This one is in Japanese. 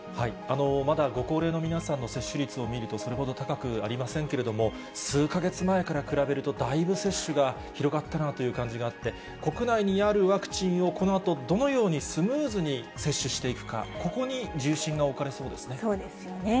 まだご高齢の皆さんの接種率を見ると、それほど高くありませんけれども、数か月前から比べると、だいぶ接種が広がったなという感じがあって、国内にあるワクチンを、このあと、どのようにスムーズに接種していくか、そうですよね。